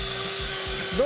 どう？